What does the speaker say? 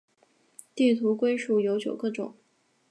地图龟属有九个种。